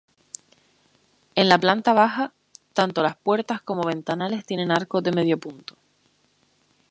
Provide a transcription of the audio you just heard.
En la planta baja, tanto las puertas como ventanales tienen arcos de medio punto.